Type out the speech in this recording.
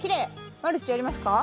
マルチやりますか？